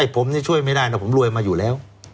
ผมช่วยไม่ได้นะผมรวยมาอยู่แล้ว